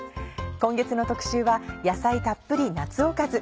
今月の特集は「野菜たっぷり夏おかず」。